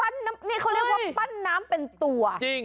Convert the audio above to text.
นี่เขาเรียกว่าปั้นน้ำเป็นตัวจริง